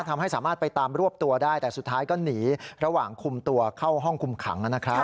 ทำให้สามารถไปตามรวบตัวได้แต่สุดท้ายก็หนีระหว่างคุมตัวเข้าห้องคุมขังนะครับ